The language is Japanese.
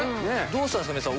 どうしたんですか？